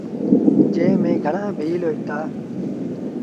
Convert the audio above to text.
جݩهݩ ميݩ گھڻآ ڀيٚل هوئيٚتآ۔